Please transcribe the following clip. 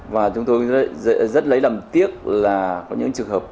và chúng tôi rất lấy làm tiếc là có những trường hợp